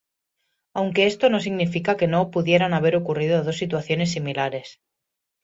Aunque esto no significa que no pudieran haber ocurrido dos situaciones similares.